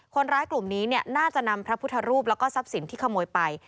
คนร้ายกลุ่มนี้น่าจะนำพระพุทธรูปแล้วก็ทรัพย์สินที่ขโมยไป